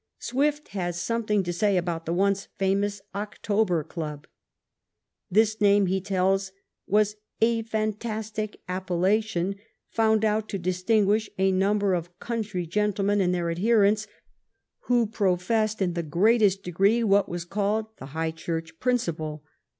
Swift has something to say about the once famous October Club. This name, he tells, was ^^ a fantastic appellation, found out to distinguish a number of coun try gentlemen, and their adherents, who professed in the greatest degree what was called the High church principle.